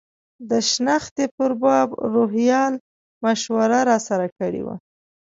د شنختې په باب روهیال مشوره راسره کړې وه.